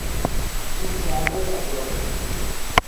She travelled abroad.